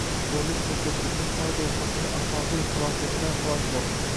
Sho‘rlik Zuhriddinning oyday xotini avtomobil falokatidan halok bo‘ldi.